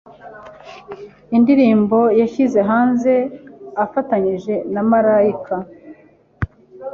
indirimbo yashyize hanze afatanyije na Malaika.